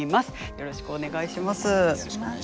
よろしくお願いします。